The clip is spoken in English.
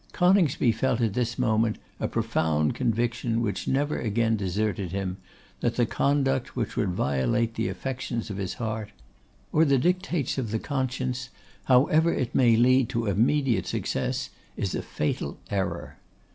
Coningsby felt at this moment a profound conviction which never again deserted him, that the conduct which would violate the affections of the heart, or the dictates of the conscience, however it may lead to immediate success, is a fatal error.